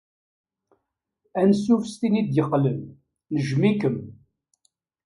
Anṣuf s tin d-yeqqlen. Nejjem-ikem.